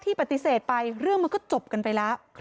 ที่ปฏิเสธไปเรื่องมันก็จบกันไป